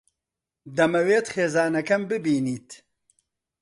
دەمەوێت خێزانەکەم ببینیت.